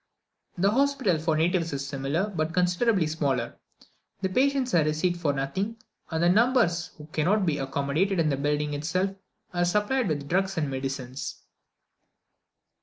The hospital for natives is similar, but considerably smaller. The patients are received for nothing, and numbers who cannot be accommodated in the building itself are supplied with drugs and medicines.